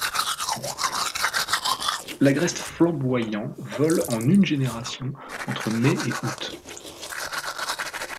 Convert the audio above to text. L'Agreste flamboyant vole en une génération entre mai et août.